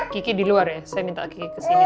kiki di luar ya saya minta kiki kesini deh